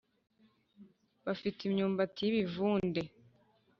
bafite imyumbati y’ibivunde